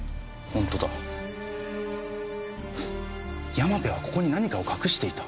山部はここに何かを隠していた。